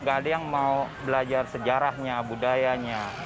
gak ada yang mau belajar sejarahnya budayanya